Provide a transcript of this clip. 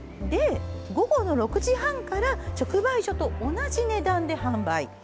午後６時半から直売所と同じ値段で販売。